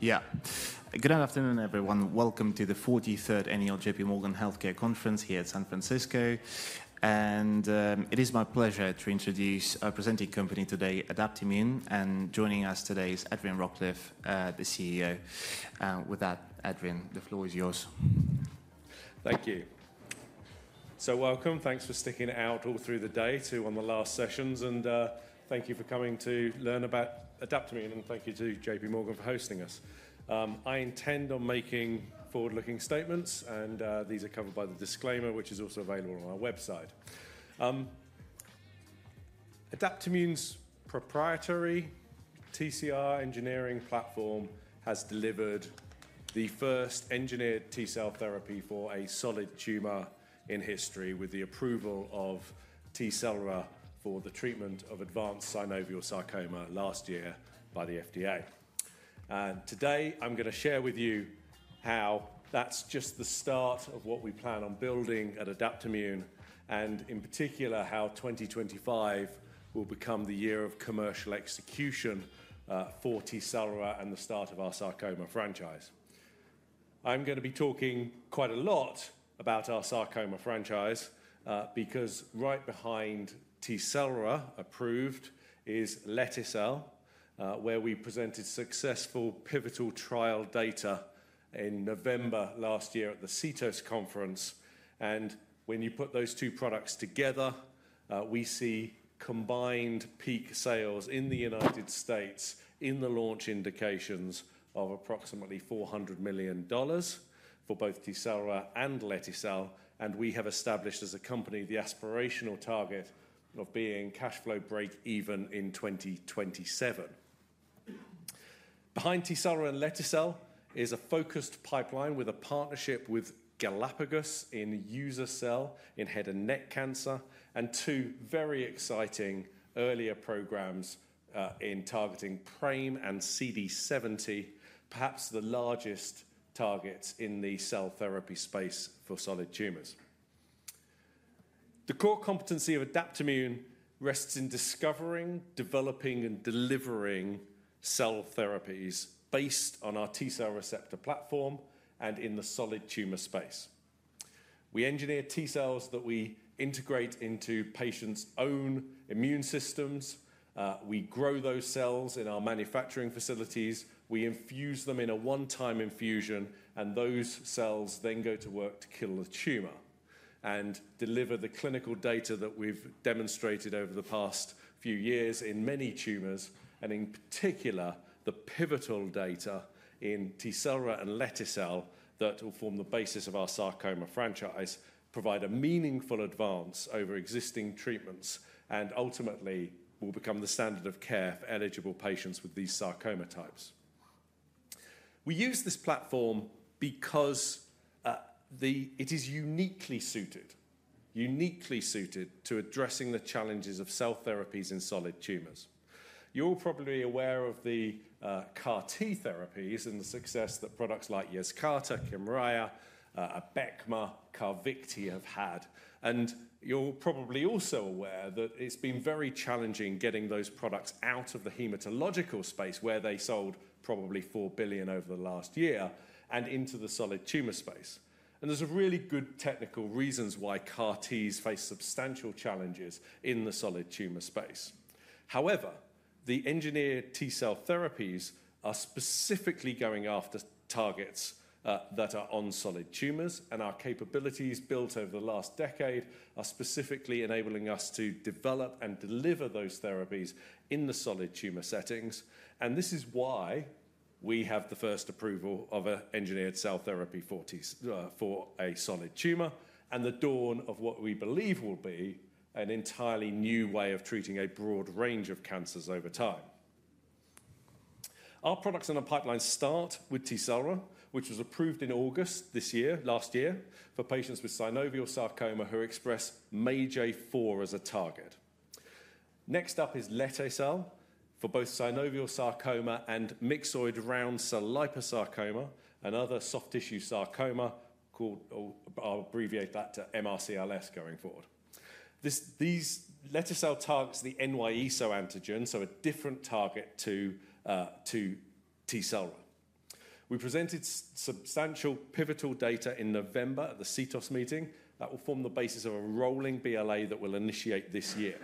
Yeah. Good afternoon, everyone. Welcome to the 43rd Annual JPMorgan Healthcare Conference here at San Francisco. It is my pleasure to introduce our presenting company today, Adaptimmune. Joining us today is Adrian Rawcliffe, the CEO. With that, Adrian, the floor is yours. Thank you. So, welcome. Thanks for sticking out all through the day too on the last sessions. And thank you for coming to learn about Adaptimmune. And thank you to J.P. Morgan for hosting us. I intend on making forward-looking statements. And these are covered by the disclaimer, which is also available on our website. Adaptimmune's proprietary TCR engineering platform has delivered the first engineered T-cell therapy for a solid tumor in history with the approval of Tecelra for the treatment of advanced synovial sarcoma last year by the FDA. And today, I'm going to share with you how that's just the start of what we plan on building at Adaptimmune, and in particular, how 2025 will become the year of commercial execution for Tecelra and the start of our sarcoma franchise. I'm going to be talking quite a lot about our sarcoma franchise because right behind Tecelra approved is lete-cel, where we presented successful pivotal trial data in November last year at the CTOS conference. And when you put those two products together, we see combined peak sales in the United States in the launch indications of approximately $400 million for both Tecelra and lete-cel. And we have established as a company the aspirational target of being cash flow break-even in 2027. Behind Tecelra and lete-cel is a focused pipeline with a partnership with Galapagos in uza-cel in head and neck cancer and two very exciting earlier programs in targeting PRAME and CD70, perhaps the largest targets in the cell therapy space for solid tumors. The core competency of Adaptimmune rests in discovering, developing, and delivering cell therapies based on our T-cell receptor platform and in the solid tumor space. We engineer T-cells that we integrate into patients' own immune systems. We grow those cells in our manufacturing facilities. We infuse them in a one-time infusion. And those cells then go to work to kill the tumor and deliver the clinical data that we've demonstrated over the past few years in many tumors. And in particular, the pivotal data in Tecelra and lete-cel that will form the basis of our sarcoma franchise provide a meaningful advance over existing treatments and ultimately will become the standard of care for eligible patients with these sarcoma types. We use this platform because it is uniquely suited, uniquely suited to addressing the challenges of cell therapies in solid tumors. You're probably aware of the CAR-T therapies and the success that products like Yescarta, Kymriah, Abecma, and Carvykti have had. You're probably also aware that it's been very challenging getting those products out of the hematological space, where they sold probably $4 billion over the last year, and into the solid tumor space. There's a really good technical reason why CAR-Ts face substantial challenges in the solid tumor space. However, the engineered T-cell therapies are specifically going after targets that are on solid tumors. Our capabilities built over the last decade are specifically enabling us to develop and deliver those therapies in the solid tumor settings. This is why we have the first approval of an engineered cell therapy for a solid tumor and the dawn of what we believe will be an entirely new way of treating a broad range of cancers over time. Our products and our pipeline start with Tecelra, which was approved in August this year, last year, for patients with synovial sarcoma who express MAGE-A4 as a target. Next up is lete-cel for both synovial sarcoma and myxoid round cell liposarcoma and other soft tissue sarcoma. I'll abbreviate that to MRCLS going forward. This lete-cel targets the NY-ESO-1 antigen, so a different target to Tecelra. We presented substantial pivotal data in November at the CTOS meeting that will form the basis of a rolling BLA that we'll initiate this year.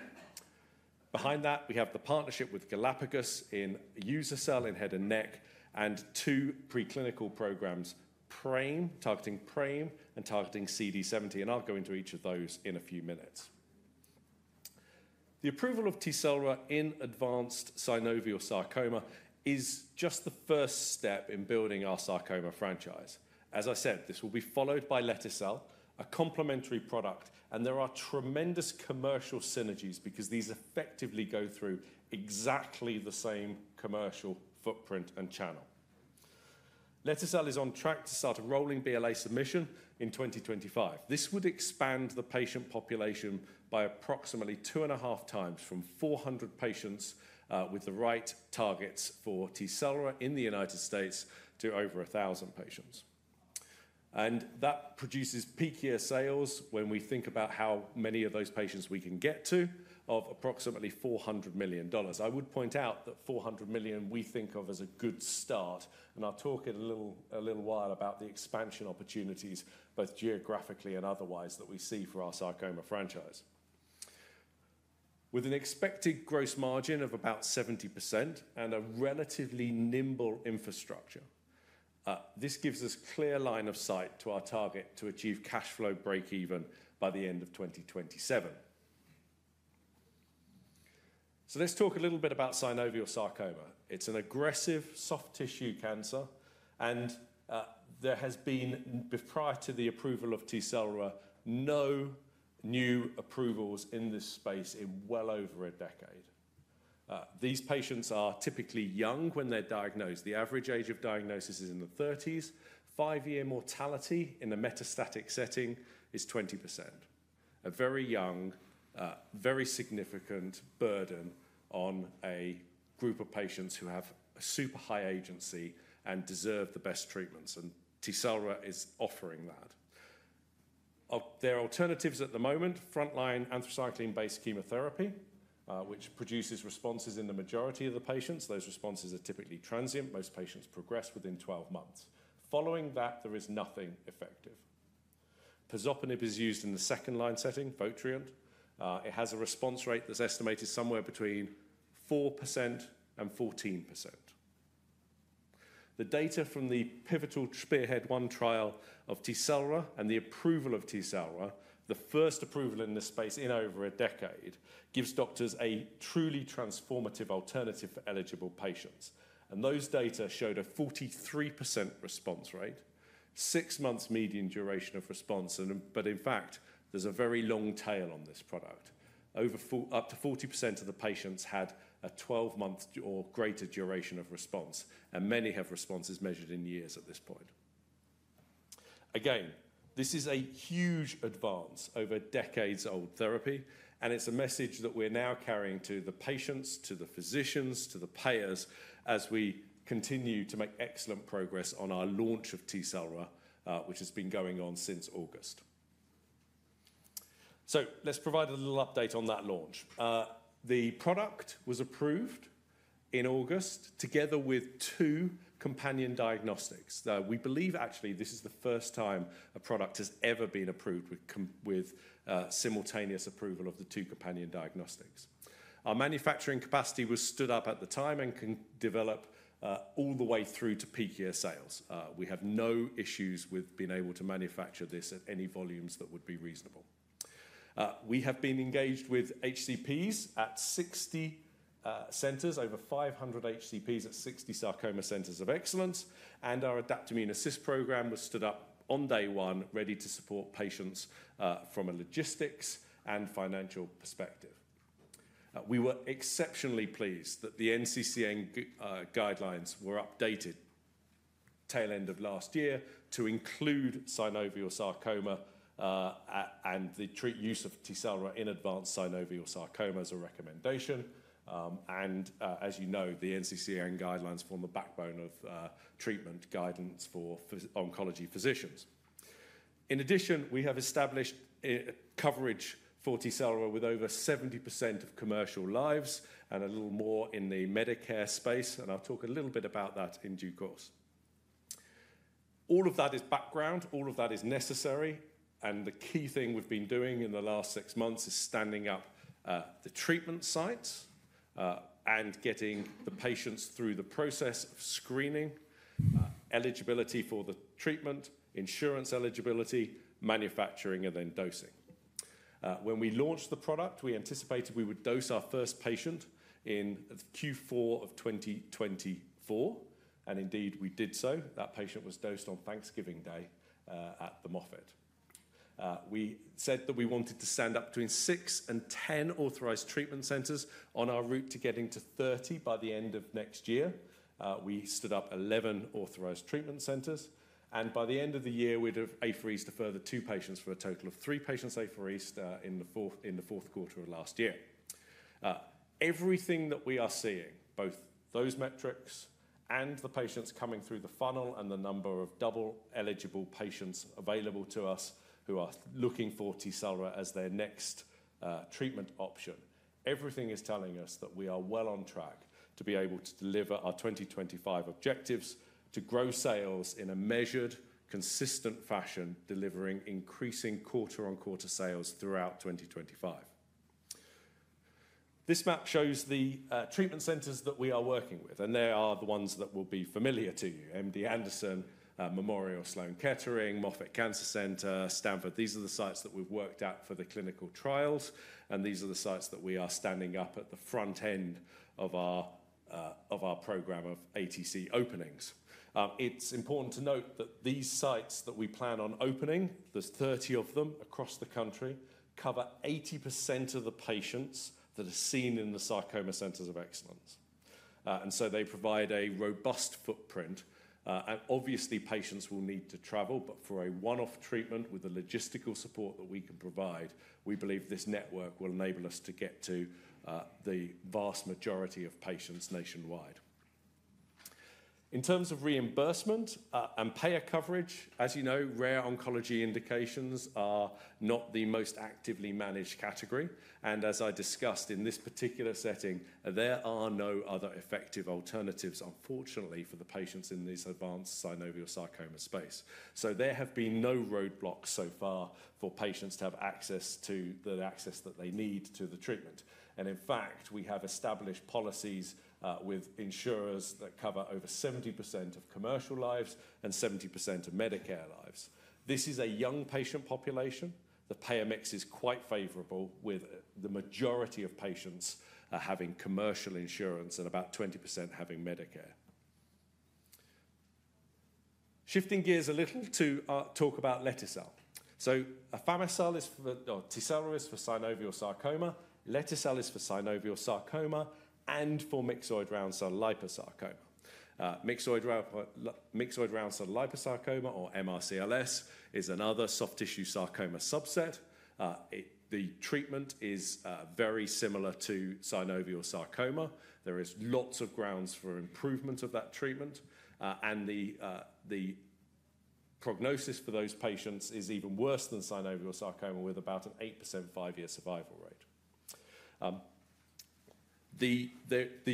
Behind that, we have the partnership with Galapagos in uza-cel in head and neck and two preclinical programs, PRAME, targeting PRAME and targeting CD70. And I'll go into each of those in a few minutes. The approval of Tecelra in advanced synovial sarcoma is just the first step in building our sarcoma franchise. As I said, this will be followed by lete-cel, a complementary product. And there are tremendous commercial synergies because these effectively go through exactly the same commercial footprint and channel. lete-cel is on track to start a rolling BLA submission in 2025. This would expand the patient population by approximately two and a half times from 400 patients with the right targets for Tecelra in the United States to over 1,000 patients. And that produces peak year sales when we think about how many of those patients we can get to of approximately $400 million. I would point out that $400 million we think of as a good start. And I'll talk in a little while about the expansion opportunities, both geographically and otherwise, that we see for our sarcoma franchise. With an expected gross margin of about 70% and a relatively nimble infrastructure, this gives us clear line of sight to our target to achieve cash flow break-even by the end of 2027. So let's talk a little bit about synovial sarcoma. It's an aggressive soft tissue cancer. And there has been, prior to the approval of Tecelra, no new approvals in this space in well over a decade. These patients are typically young when they're diagnosed. The average age of diagnosis is in the 30s. Five-year mortality in a metastatic setting is 20%. A very young, very significant burden on a group of patients who have a super high agency and deserve the best treatments. And Tecelra is offering that. There are alternatives at the moment, frontline anthracycline-based chemotherapy, which produces responses in the majority of the patients. Those responses are typically transient. Most patients progress within 12 months. Following that, there is nothing effective. Pazopanib is used in the second-line setting, Votrient. It has a response rate that's estimated somewhere between 4%-14%. The data from the pivotal SPEARHEAD-1 trial of Tecelra and the approval of Tecelra, the first approval in this space in over a decade, gives doctors a truly transformative alternative for eligible patients, and those data showed a 43% response rate, six months median duration of response, but in fact, there's a very long tail on this product. Up to 40% of the patients had a 12-month or greater duration of response, and many have responses measured in years at this point, again, this is a huge advance over decades-old therapy. It's a message that we're now carrying to the patients, to the physicians, to the payers as we continue to make excellent progress on our launch of Tecelra, which has been going on since August. Let's provide a little update on that launch. The product was approved in August together with two companion diagnostics. We believe, actually, this is the first time a product has ever been approved with simultaneous approval of the two companion diagnostics. Our manufacturing capacity was stood up at the time and can develop all the way through to peak year sales. We have no issues with being able to manufacture this at any volumes that would be reasonable. We have been engaged with HCPs at 60 centers, over 500 HCPs at 60 sarcoma centers of excellence. Our Adaptimmune Assist program was stood up on day one, ready to support patients from a logistics and financial perspective. We were exceptionally pleased that the NCCN guidelines were updated tail end of last year to include synovial sarcoma and the use of Tecelra in advanced synovial sarcoma as a recommendation. As you know, the NCCN guidelines form the backbone of treatment guidance for oncology physicians. In addition, we have established coverage for Tecelra with over 70% of commercial lives and a little more in the Medicare space. I'll talk a little bit about that in due course. All of that is background. All of that is necessary. The key thing we've been doing in the last six months is standing up the treatment sites and getting the patients through the process of screening, eligibility for the treatment, insurance eligibility, manufacturing, and then dosing. When we launched the product, we anticipated we would dose our first patient in Q4 of 2024, and indeed, we did so. That patient was dosed on Thanksgiving Day at the Moffitt. We said that we wanted to stand up between six and ten authorized treatment centers on our route to getting to 30 by the end of next year. We stood up 11 authorized treatment centers, and by the end of the year, we'd have apheresis to further two patients for a total of three patients apheresis in the fourth quarter of last year. Everything that we are seeing, both those metrics and the patients coming through the funnel and the number of double eligible patients available to us who are looking for Tecelra as their next treatment option, everything is telling us that we are well on track to be able to deliver our 2025 objectives to grow sales in a measured, consistent fashion, delivering increasing quarter-on-quarter sales throughout 2025. This map shows the treatment centers that we are working with, and they are the ones that will be familiar to you: MD Anderson, Memorial Sloan Kettering, Moffitt Cancer Center, Stanford. These are the sites that we've worked at for the clinical trials, and these are the sites that we are standing up at the front end of our program of ATC openings. It's important to note that these sites that we plan on opening, there's 30 of them across the country, cover 80% of the patients that are seen in the sarcoma centers of excellence. And so they provide a robust footprint. And obviously, patients will need to travel. But for a one-off treatment with the logistical support that we can provide, we believe this network will enable us to get to the vast majority of patients nationwide. In terms of reimbursement and payer coverage, as you know, rare oncology indications are not the most actively managed category. And as I discussed in this particular setting, there are no other effective alternatives, unfortunately, for the patients in this advanced synovial sarcoma space. So there have been no roadblocks so far for patients to have access that they need to the treatment. In fact, we have established policies with insurers that cover over 70% of commercial lives and 70% of Medicare lives. This is a young patient population. The payer mix is quite favorable, with the majority of patients having commercial insurance and about 20% having Medicare. Shifting gears a little to talk about lete-cel. So Tecelra is for synovial sarcoma. Lete-cel is for synovial sarcoma and for myxoid round cell liposarcoma. Myxoid round cell liposarcoma, or MRCLS, is another soft tissue sarcoma subset. The treatment is very similar to synovial sarcoma. There is lots of grounds for improvement of that treatment. And the prognosis for those patients is even worse than synovial sarcoma, with about an 8% five-year survival rate. The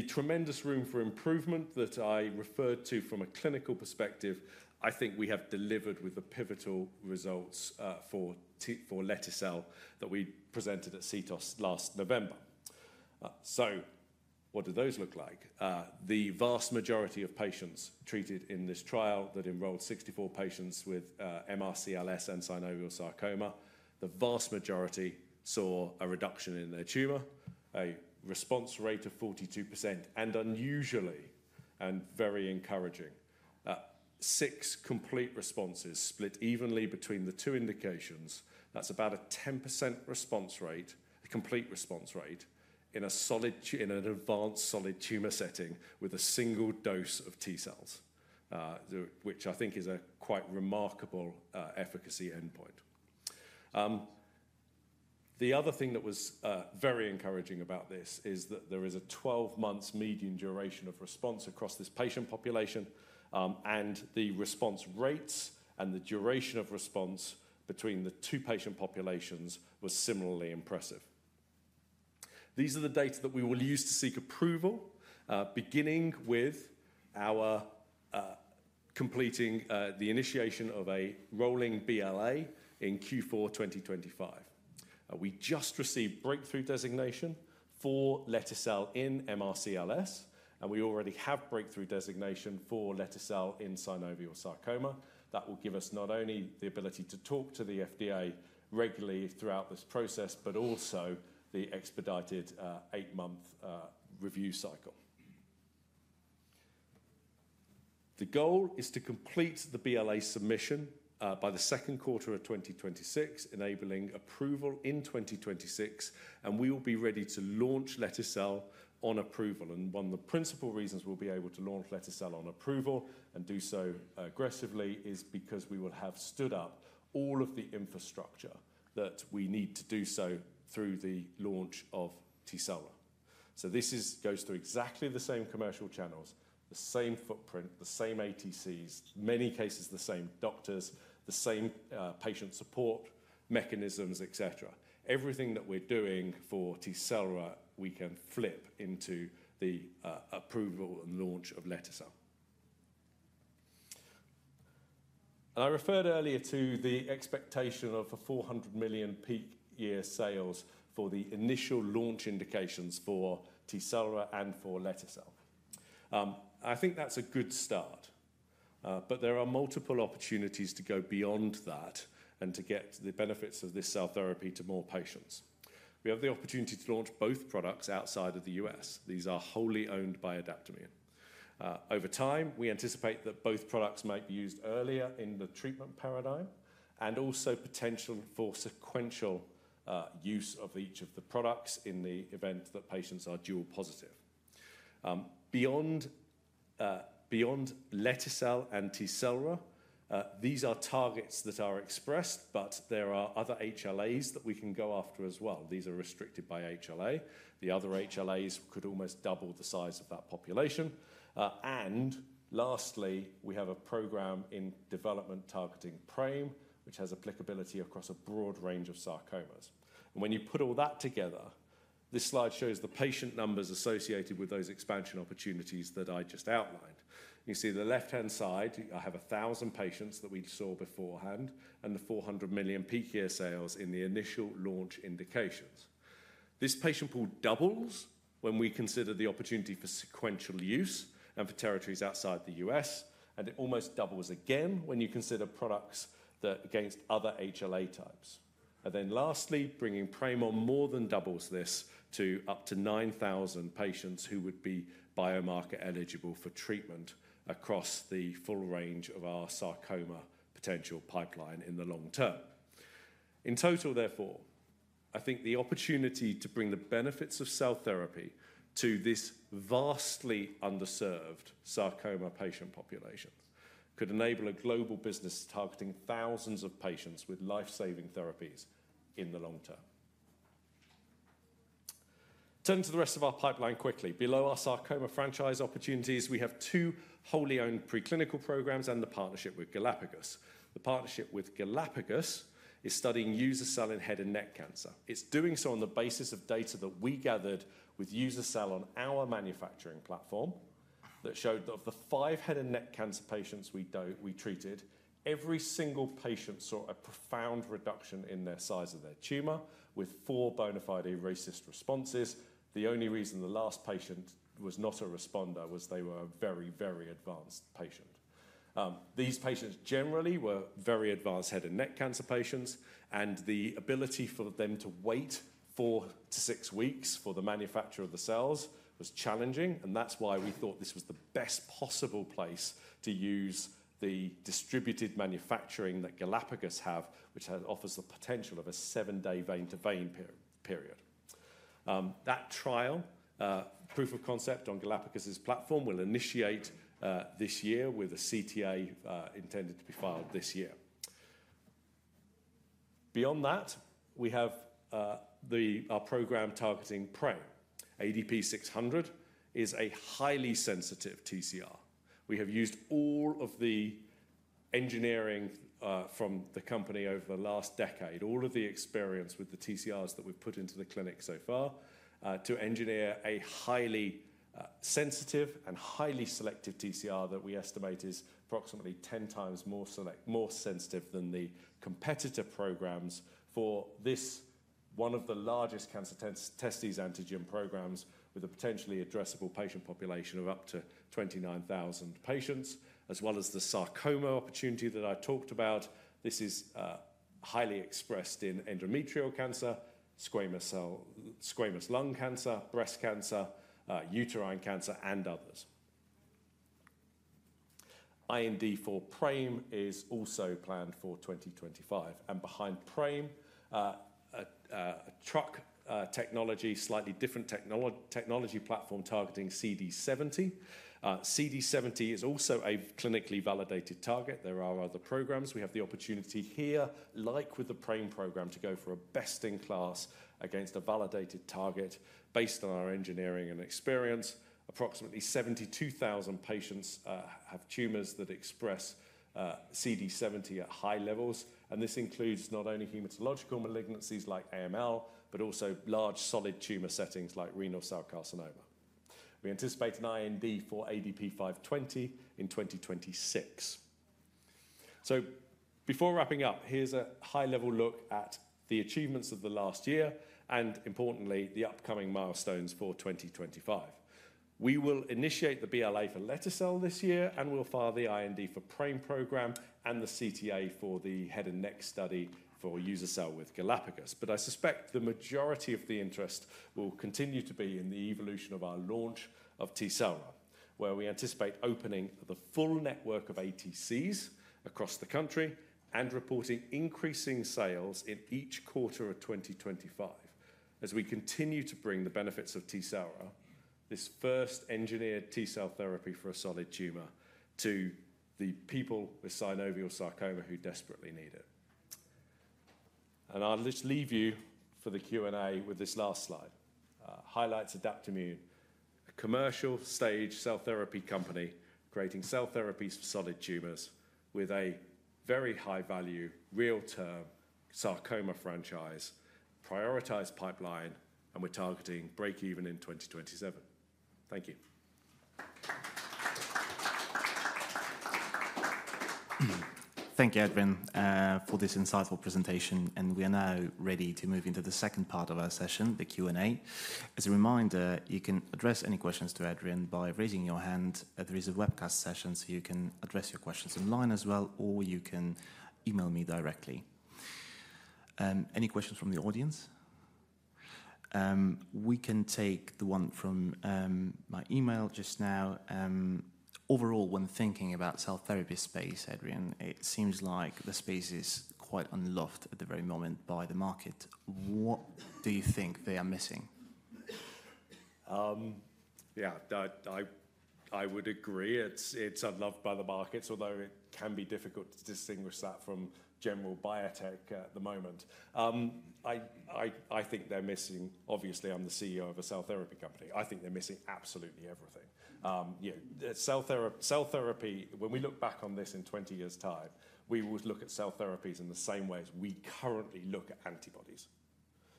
tremendous room for improvement that I referred to from a clinical perspective, I think we have delivered with the pivotal results for lete-cel that we presented at CTOS last November. So what do those look like? The vast majority of patients treated in this trial that enrolled 64 patients with MRCLS and synovial sarcoma, the vast majority saw a reduction in their tumor, a response rate of 42%, and unusually and very encouraging. Six complete responses split evenly between the two indications. That's about a 10% complete response rate in an advanced solid tumor setting with a single dose of T-cells, which I think is a quite remarkable efficacy endpoint. The other thing that was very encouraging about this is that there is a 12-month median duration of response across this patient population. The response rates and the duration of response between the two patient populations was similarly impressive. These are the data that we will use to seek approval, beginning with our completing the initiation of a rolling BLA in Q4 2025. We just received breakthrough designation for lete-cel in MRCLS. We already have breakthrough designation for lete-cel in synovial sarcoma. That will give us not only the ability to talk to the FDA regularly throughout this process, but also the expedited eight-month review cycle. The goal is to complete the BLA submission by the second quarter of 2026, enabling approval in 2026. We will be ready to launch lete-cel on approval. And one of the principal reasons we'll be able to launch lete-cel on approval and do so aggressively is because we will have stood up all of the infrastructure that we need to do so through the launch of Tecelra. So this goes through exactly the same commercial channels, the same footprint, the same ATCs, in many cases the same doctors, the same patient support mechanisms, et cetera. Everything that we're doing for Tecelra, we can flip into the approval and launch of lete-cel. And I referred earlier to the expectation of a $400 million peak-year sales for the initial launch indications for Tecelra and for lete-cel. I think that's a good start. But there are multiple opportunities to go beyond that and to get the benefits of this cell therapy to more patients. We have the opportunity to launch both products outside of the U.S. These are wholly owned by Adaptimmune. Over time, we anticipate that both products might be used earlier in the treatment paradigm and also potential for sequential use of each of the products in the event that patients are dual positive. Beyond lete-cel and Tecelra, these are targets that are expressed, but there are other HLAs that we can go after as well. These are restricted by HLA. The other HLAs could almost double the size of that population, and lastly, we have a program in development targeting PRAME, which has applicability across a broad range of sarcomas, and when you put all that together, this slide shows the patient numbers associated with those expansion opportunities that I just outlined. You see the left-hand side, I have 1,000 patients that we saw beforehand and the $400 million peak year sales in the initial launch indications. This patient pool doubles when we consider the opportunity for sequential use and for territories outside the U.S., and it almost doubles again when you consider products against other HLA types, and then lastly, bringing PRAME on more than doubles this to up to 9,000 patients who would be biomarker eligible for treatment across the full range of our sarcoma potential pipeline in the long term. In total, therefore, I think the opportunity to bring the benefits of cell therapy to this vastly underserved sarcoma patient population could enable a global business targeting thousands of patients with lifesaving therapies in the long term. Turn to the rest of our pipeline quickly. Below our sarcoma franchise opportunities, we have two wholly owned preclinical programs and the partnership with Galapagos. The partnership with Galapagos is studying uza-cel in head and neck cancer. It's doing so on the basis of data that we gathered with uza-cel on our manufacturing platform that showed that of the five head and neck cancer patients we treated, every single patient saw a profound reduction in the size of their tumor with four bona fide CRs. The only reason the last patient was not a responder was they were a very, very advanced patient. These patients generally were very advanced head and neck cancer patients. And the ability for them to wait four to six weeks for the manufacture of the cells was challenging. And that's why we thought this was the best possible place to use the distributed manufacturing that Galapagos have, which offers the potential of a seven-day vein-to-vein period. That trial, proof of concept on Galapagos' platform, will initiate this year with a CTA intended to be filed this year. Beyond that, we have our program targeting PRAME. ADP-600 is a highly sensitive TCR. We have used all of the engineering from the company over the last decade, all of the experience with the TCRs that we've put into the clinic so far to engineer a highly sensitive and highly selective TCR that we estimate is approximately 10 times more sensitive than the competitor programs for this one of the largest cancer-testis antigen programs with a potentially addressable patient population of up to 29,000 patients, as well as the sarcoma opportunity that I talked about. This is highly expressed in endometrial cancer, squamous lung cancer, breast cancer, uterine cancer, and others. IND for PRAME is also planned for 2025. Behind PRAME, a TCR technology, slightly different technology platform targeting CD70. CD70 is also a clinically validated target. There are other programs. We have the opportunity here, like with the PRAME program, to go for a best-in-class against a validated target based on our engineering and experience. Approximately 72,000 patients have tumors that express CD70 at high levels. And this includes not only hematological malignancies like AML, but also large solid tumor settings like renal cell carcinoma. We anticipate an IND for ADP-520 in 2026. So before wrapping up, here's a high-level look at the achievements of the last year and, importantly, the upcoming milestones for 2025. We will initiate the BLA for lete-cel this year and will file the IND for PRAME program and the CTA for the head and neck study for uza-cel with Galapagos. But I suspect the majority of the interest will continue to be in the evolution of our launch of Tecelra, where we anticipate opening the full network of ATCs across the country and reporting increasing sales in each quarter of 2025 as we continue to bring the benefits of Tecelra, this first engineered T-cell therapy for a solid tumor, to the people with synovial sarcoma who desperately need it. And I'll just leave you for the Q&A with this last slide. Highlights Adaptimmune, a commercial-stage cell therapy company creating cell therapies for solid tumors with a very high-value, near-term sarcoma franchise, prioritized pipeline, and we're targeting break-even in 2027. Thank you. Thank you, Adrian, for this insightful presentation. And we are now ready to move into the second part of our session, the Q&A. As a reminder, you can address any questions to Adrian by raising your hand. There is a webcast session, so you can address your questions online as well, or you can email me directly. Any questions from the audience? We can take the one from my email just now. Overall, when thinking about cell therapy space, Adrian, it seems like the space is quite unloved at the very moment by the market. What do you think they are missing? Yeah, I would agree. It's unloved by the markets, although it can be difficult to distinguish that from general biotech at the moment. I think they're missing, obviously. I'm the CEO of a cell therapy company. I think they're missing absolutely everything. Cell therapy, when we look back on this in 20 years' time, we would look at cell therapies in the same way as we currently look at antibodies,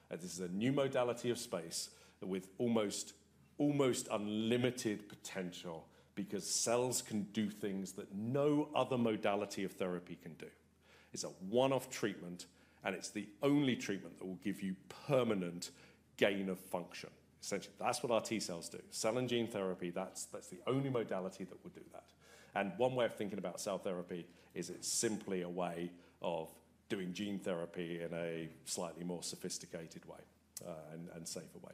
and this is a new modality of space with almost unlimited potential because cells can do things that no other modality of therapy can do. It's a one-off treatment, and it's the only treatment that will give you permanent gain of function. Essentially, that's what our T-cells do. Cell and gene therapy, that's the only modality that will do that. One way of thinking about cell therapy is it's simply a way of doing gene therapy in a slightly more sophisticated way and safer way,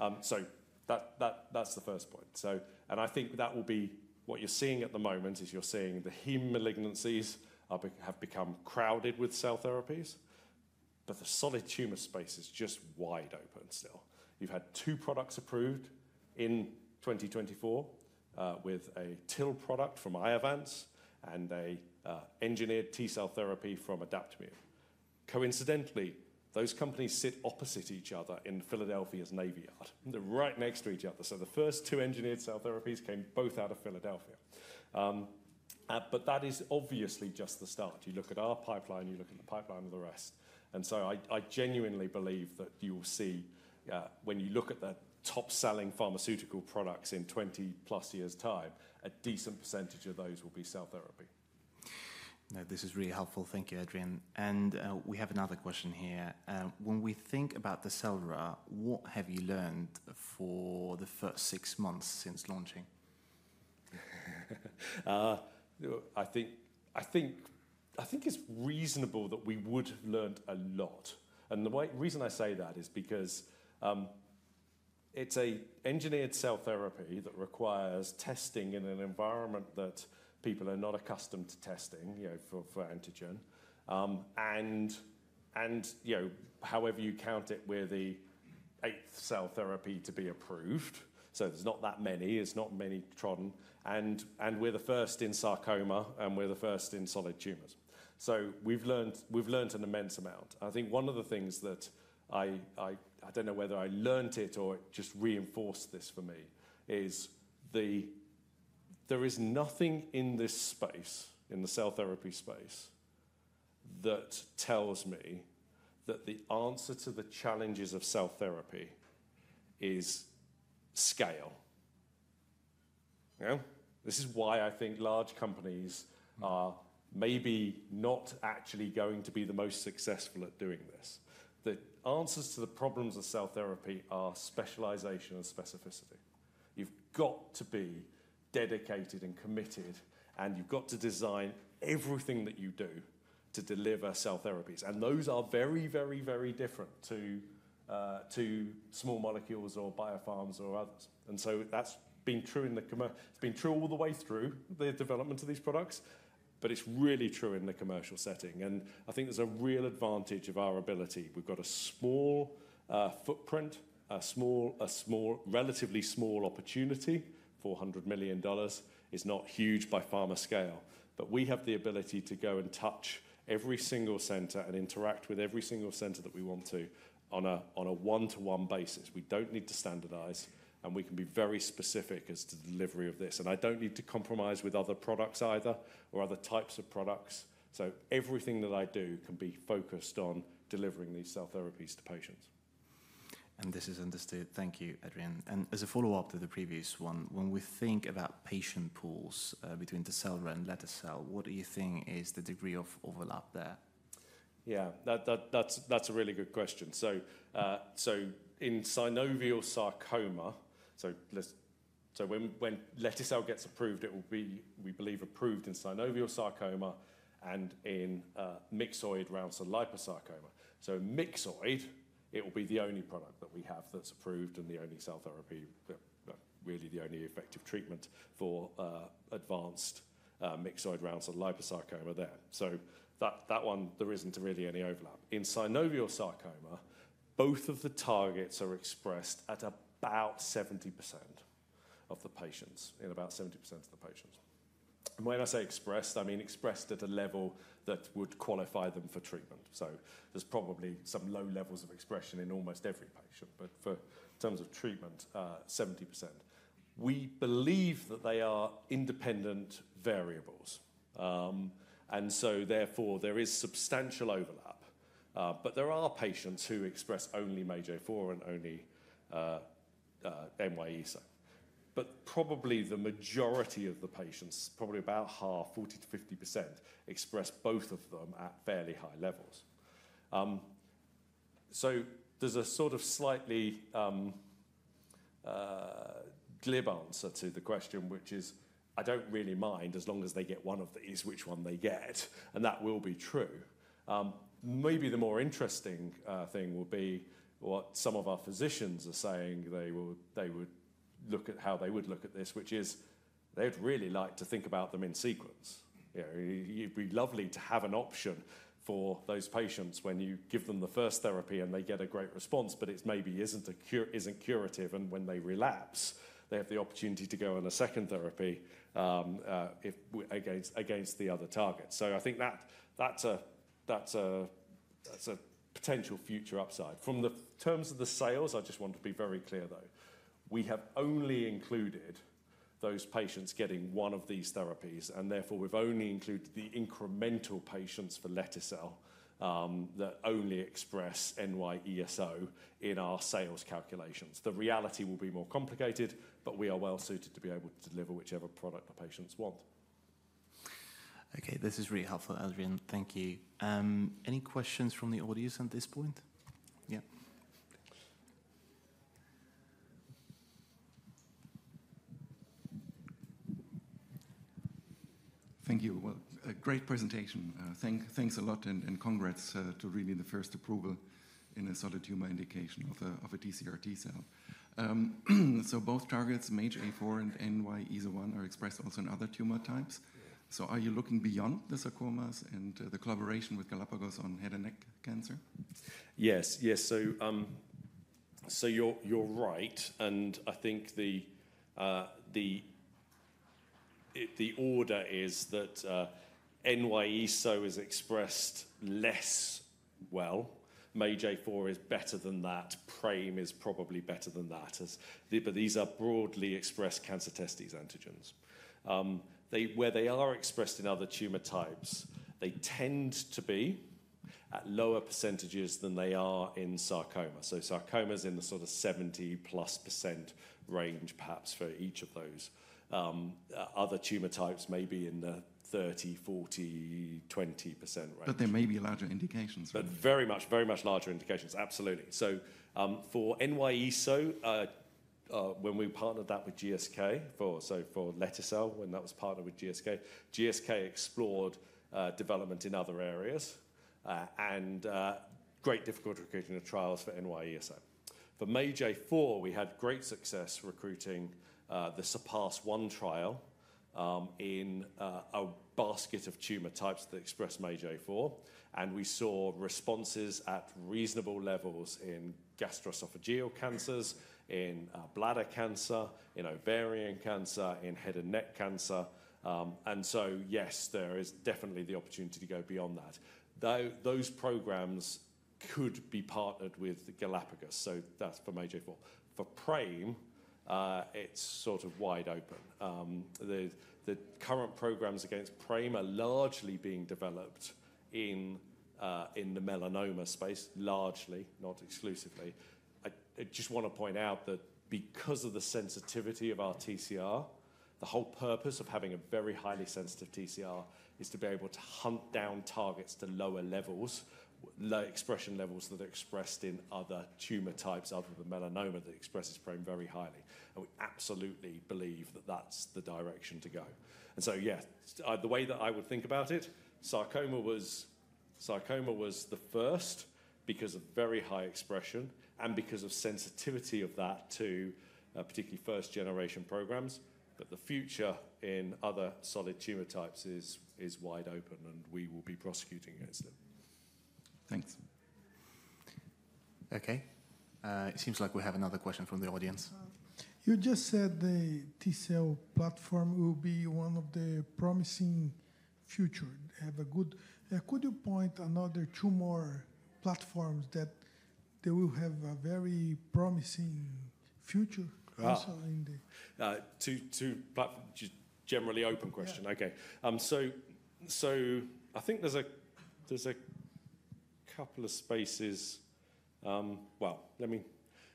perhaps. So that's the first point. I think that will be what you're seeing at the moment is you're seeing the heme malignancies have become crowded with cell therapies, but the solid tumor space is just wide open still. You've had two products approved in 2024 with a TIL product from Iovance and an engineered T-cell therapy from Adaptimmune. Coincidentally, those companies sit opposite each other in Philadelphia's Navy Yard. They're right next to each other. So the first two engineered cell therapies came both out of Philadelphia. But that is obviously just the start. You look at our pipeline, you look at the pipeline of the rest. I genuinely believe that you will see when you look at the top-selling pharmaceutical products in 20+ years' time, a decent percentage of those will be cell therapy. No, this is really helpful. Thank you, Adrian, and we have another question here. When we think about the sell-through, what have you learned for the first six months since launching? I think it's reasonable that we would have learned a lot, and the reason I say that is because it's an engineered cell therapy that requires testing in an environment that people are not accustomed to testing for antigen, and however you count it, we're the eighth cell therapy to be approved, so there's not that many. It's not well trodden, and we're the first in sarcoma, and we're the first in solid tumors, so we've learned an immense amount. I think one of the things that I don't know whether I learned it or it just reinforced this for me is there is nothing in this space, in the cell therapy space, that tells me that the answer to the challenges of cell therapy is scale. This is why I think large companies are maybe not actually going to be the most successful at doing this. The answers to the problems of cell therapy are specialization and specificity. You've got to be dedicated and committed, and you've got to design everything that you do to deliver cell therapies, and those are very, very, very different to small molecules or biofarms or others, and so that's been true in the commercial, it's been true all the way through the development of these products, but it's really true in the commercial setting, and I think there's a real advantage of our ability. We've got a small footprint, a relatively small opportunity. $400 million is not huge by pharma scale, but we have the ability to go and touch every single center and interact with every single center that we want to on a one-to-one basis. We don't need to standardize, and we can be very specific as to the delivery of this. I don't need to compromise with other products either or other types of products. Everything that I do can be focused on delivering these cell therapies to patients. This is understood. Thank you, Adrian. As a follow-up to the previous one, when we think about patient pools between Tecelra and lete-cel, what do you think is the degree of overlap there? Yeah, that's a really good question. So in synovial sarcoma, so when lete-cel gets approved, it will be, we believe, approved in synovial sarcoma and in myxoid round cell liposarcoma. So in myxoid, it will be the only product that we have that's approved and the only cell therapy, really the only effective treatment for advanced myxoid round cell liposarcoma there. So that one, there isn't really any overlap. In synovial sarcoma, both of the targets are expressed at about 70% of the patients, in about 70% of the patients. And when I say expressed, I mean expressed at a level that would qualify them for treatment. So there's probably some low levels of expression in almost every patient, but in terms of treatment, 70%. We believe that they are independent variables. And so therefore, there is substantial overlap. But there are patients who express only MAGE-A4 and only NY-ESO-1. But probably the majority of the patients, probably about half, 40%-50%, express both of them at fairly high levels. So there's a sort of slightly glib answer to the question, which is I don't really mind as long as they get one of these, which one they get. And that will be true. Maybe the more interesting thing will be what some of our physicians are saying they would look at, how they would look at this, which is they'd really like to think about them in sequence. It'd be lovely to have an option for those patients when you give them the first therapy and they get a great response, but it maybe isn't curative. And when they relapse, they have the opportunity to go on a second therapy against the other targets. So I think that's a potential future upside. From the terms of the sales, I just want to be very clear, though. We have only included those patients getting one of these therapies, and therefore, we've only included the incremental patients for lete-cel that only express NY-ESO-1 in our sales calculations. The reality will be more complicated, but we are well-suited to be able to deliver whichever product the patients want. Okay, this is really helpful, Adrian. Thank you. Any questions from the audience at this point? Yeah. Thank you. Great presentation. Thanks a lot, and congrats to really the first approval in a solid tumor indication of a TCR T-cell. Both targets, MAGE-A4 and NY-ESO-1, are expressed also in other tumor types. Are you looking beyond the sarcomas and the collaboration with Galapagos on head and neck cancer? Yes, yes. So you're right, and I think the order is that NY-ESO is expressed less well. MAGE-A4 is better than that. PRAME is probably better than that. But these are broadly expressed cancer testis antigens. Where they are expressed in other tumor types, they tend to be at lower percentages than they are in sarcoma. So sarcoma is in the sort of 70-plus% range, perhaps, for each of those. Other tumor types may be in the 30%, 40%, 20% range. But there may be larger indications. But very much, very much larger indications. Absolutely. So for NY-ESO, when we partnered that with GSK, so for lete-cel, when that was partnered with GSK, GSK explored development in other areas and great difficulty recruiting the trials for NY-ESO. For MAGE-A4, we had great success recruiting the SURPASS-1 trial in a basket of tumor types that expressed MAGE-A4. And we saw responses at reasonable levels in gastroesophageal cancers, in bladder cancer, in ovarian cancer, in head and neck cancer. And so, yes, there is definitely the opportunity to go beyond that. Though those programs could be partnered with Galapagos, so that's for MAGE-A4. For PRAME, it is sort of wide open. The current programs against PRAME are largely being developed in the melanoma space, largely, not exclusively. I just want to point out that because of the sensitivity of our TCR, the whole purpose of having a very highly sensitive TCR is to be able to hunt down targets to lower levels, low expression levels that are expressed in other tumor types other than melanoma that expresses PRAME very highly. And we absolutely believe that that's the direction to go. And so, yeah, the way that I would think about it, sarcoma was the first because of very high expression and because of sensitivity of that to particularly first-generation programs. But the future in other solid tumor types is wide open, and we will be prosecuting against it. Thanks. Okay, it seems like we have another question from the audience. You just said the TIL platform will be one of the promising future. Could you point another two more platforms that they will have a very promising future also in the? Generally open question. Okay. So I think there's a couple of spaces. Well, let me.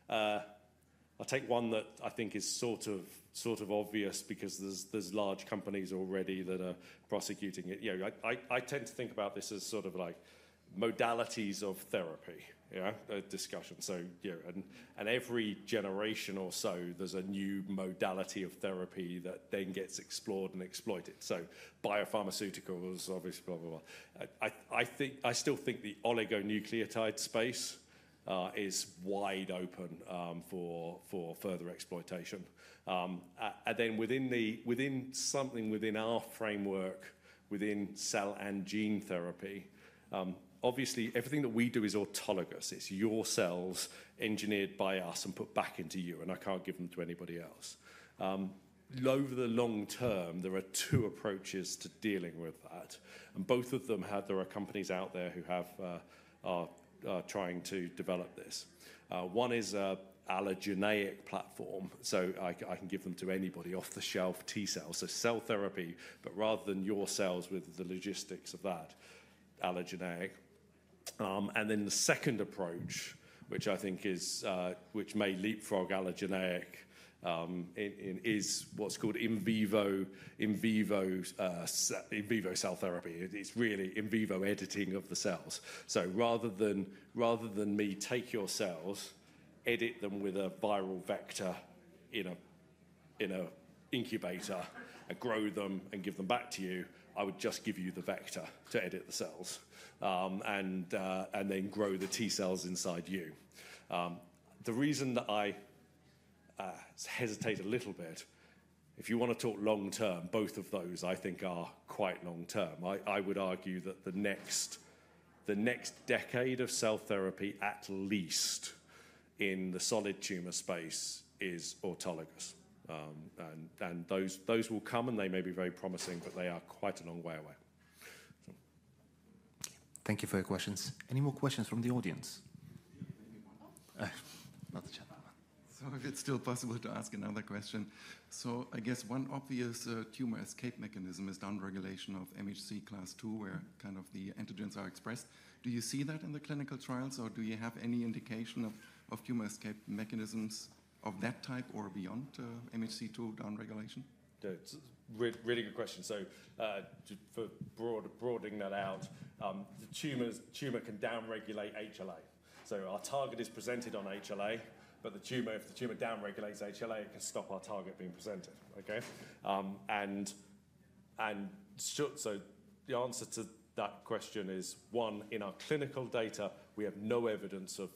I'll take one that I think is sort of obvious because there's large companies already that are prosecuting it. I tend to think about this as sort of like modalities of therapy discussion. And every generation or so, there's a new modality of therapy that then gets explored and exploited. So biopharmaceuticals, obviously, blah, blah, blah. I still think the oligonucleotide space is wide open for further exploitation. And then within our framework, within cell and gene therapy, obviously, everything that we do is autologous. It's your cells engineered by us and put back into you, and I can't give them to anybody else. Over the long term, there are two approaches to dealing with that. And both of them have companies out there who are trying to develop this. One is an allogeneic platform. So I can give them to anybody off the shelf T cells. So cell therapy, but rather than your cells with the logistics of that, allogeneic. And then the second approach, which I think may leapfrog allogeneic, is what's called in vivo cell therapy. It's really in vivo editing of the cells. So rather than me take your cells, edit them with a viral vector in an incubator, and grow them, and give them back to you, I would just give you the vector to edit the cells and then grow the T cells inside you. The reason that I hesitate a little bit, if you want to talk long term, both of those I think are quite long term. I would argue that the next decade of cell therapy, at least in the solid tumor space, is autologous. Those will come, and they may be very promising, but they are quite a long way away. Thank you for your questions. Any more questions from the audience? Not yet. If it's still possible to ask another question. I guess one obvious tumor escape mechanism is downregulation of MHC class II, where kind of the antigens are expressed. Do you see that in the clinical trials, or do you have any indication of tumor escape mechanisms of that type or beyond MHC II downregulation? Really good question. So for broadening that out, the tumor can downregulate HLA. So our target is presented on HLA, but if the tumor downregulates HLA, it can stop our target being presented. Okay? And so the answer to that question is, one, in our clinical data, we have no evidence of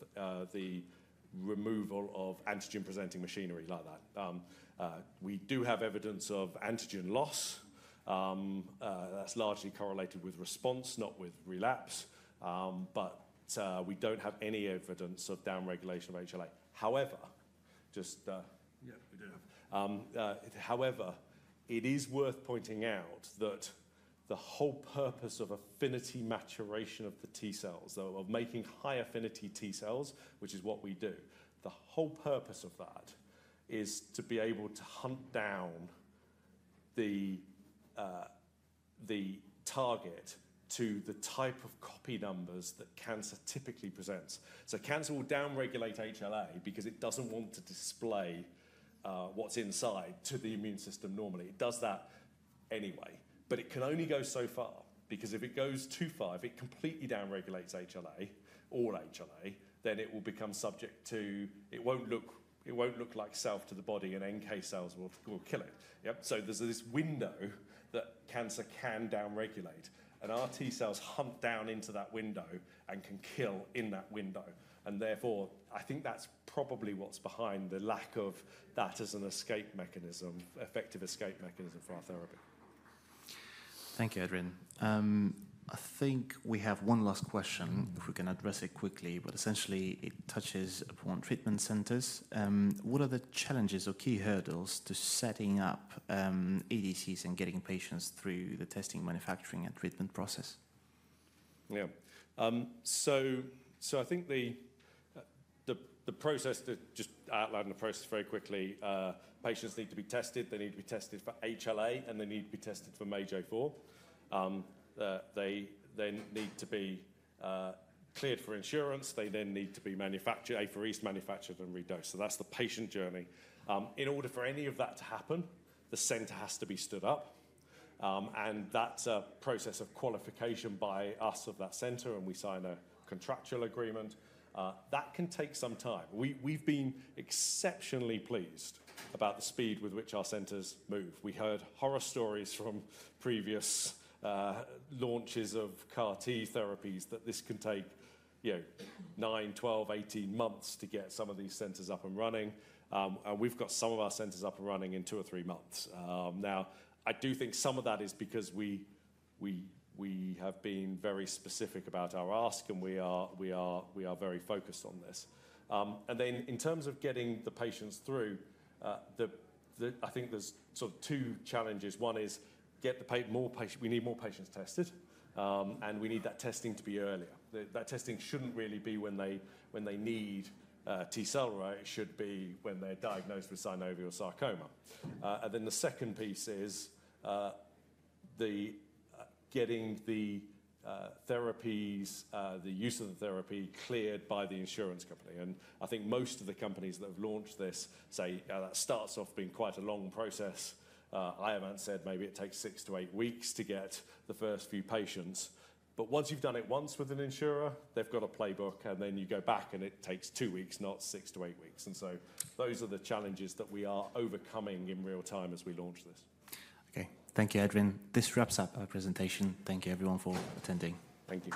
the removal of antigen-presenting machinery like that. We do have evidence of antigen loss. That's largely correlated with response, not with relapse. But we don't have any evidence of downregulation of HLA. However, just. Yeah, we do have. However, it is worth pointing out that the whole purpose of affinity maturation of the T cells, of making high affinity T cells, which is what we do, the whole purpose of that is to be able to hunt down the target to the type of copy numbers that cancer typically presents, so cancer will downregulate HLA because it doesn't want to display what's inside to the immune system normally. It does that anyway, but it can only go so far because if it goes too far, if it completely downregulates HLA, all HLA, then it will become subject to it. It won't look like self to the body, and NK cells will kill it. Yep. So there's this window that cancer can downregulate, and our T cells hunt down into that window and can kill in that window. And therefore, I think that's probably what's behind the lack of that as an escape mechanism, effective escape mechanism for our therapy. Thank you, Adrian. I think we have one last question, if we can address it quickly, but essentially, it touches upon treatment centers. What are the challenges or key hurdles to setting up EDCs and getting patients through the testing, manufacturing, and treatment process? Yeah. So I think the process, just outlining the process very quickly, patients need to be tested. They need to be tested for HLA, and they need to be tested for MAGE-A4. They then need to be cleared for insurance. They then need to be apheresed, manufactured, and redosed. So that's the patient journey. In order for any of that to happen, the center has to be stood up. And that's a process of qualification by us of that center, and we sign a contractual agreement. That can take some time. We've been exceptionally pleased about the speed with which our centers move. We heard horror stories from previous launches of CAR-T therapies that this can take nine, 12, 18 months to get some of these centers up and running. And we've got some of our centers up and running in two or three months. Now, I do think some of that is because we have been very specific about our ask, and we are very focused on this. And then in terms of getting the patients through, I think there's sort of two challenges. One is get more patients. We need more patients tested, and we need that testing to be earlier. That testing shouldn't really be when they need T-cell, right? It should be when they're diagnosed with synovial sarcoma. And then the second piece is getting the therapies, the use of the therapy cleared by the insurance company. And I think most of the companies that have launched this say that starts off being quite a long process. Iovance said maybe it takes six to eight weeks to get the first few patients. But once you've done it once with an insurer, they've got a playbook, and then you go back, and it takes two weeks, not six to eight weeks. And so those are the challenges that we are overcoming in real time as we launch this. Okay. Thank you, Adrian. This wraps up our presentation. Thank you, everyone, for attending. Thank you.